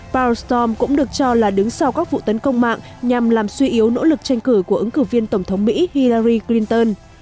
parisom cũng được cho là đứng sau các vụ tấn công mạng nhằm làm suy yếu nỗ lực tranh cử của ứng cử viên tổng thống mỹ hilary clinton